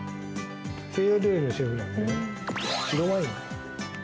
西洋料理のシェフなんでね白ワイン。